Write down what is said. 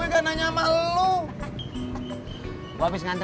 ore sebagai captur